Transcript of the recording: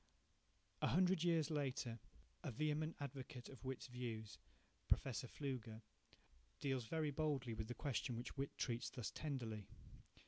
A hundred years later, a vehement advocate of Whytt's views, Professor Pflüger, deals very boldly with the question which Whytt treats thus tenderly.